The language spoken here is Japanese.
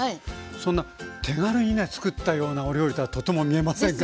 そんな手軽にねつくったようなお料理とはとても見えませんが。